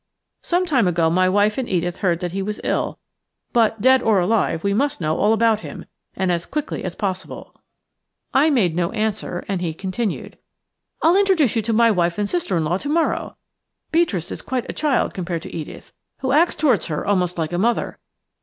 Some time ago my wife and Edith heard that he was ill, but dead or alive we must know all about him, and as quickly as possible." I made no answer, and he continued:– "I'll introduce you to my wife and sister in law to morrow. Beatrice is quite a child compared to Edith, who acts towards her almost like a mother.